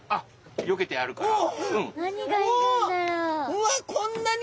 うわっこんなに！